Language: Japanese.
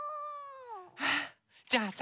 じゃあさ